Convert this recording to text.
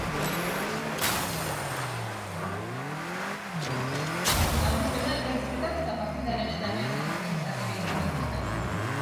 Laburpena, elkarrizketak eta partida eta emaitzen azterketak ere egingo dituzte.